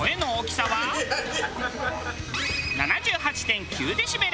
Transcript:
７８．９デシベル。